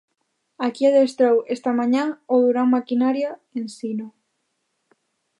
Aquí adestrou esta mañá o Durán Maquinaria Ensino.